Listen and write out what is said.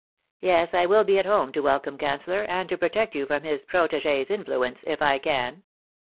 " Yes, I will be at home to welcome Canceller, and to protect you from his protegee's influence, if I can."